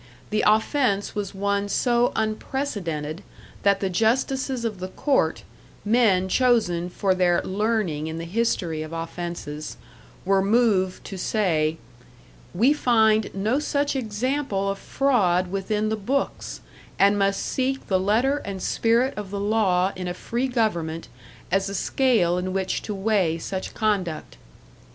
The offence was one so unprecedented that the justices of the court, men chosen for their learning in the history of offences, were moved to say: "We find no such example of fraud within the books, and must seek the letter and spirit of the law in a free government, as a scale in which to weigh such conduct."